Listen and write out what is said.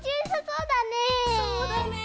そうだね。